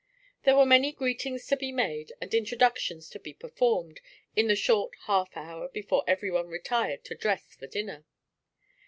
There were many greetings to be made, and introductions to be performed, in the short half hour before everyone retired to dress for dinner.